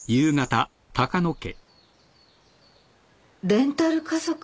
レンタル家族？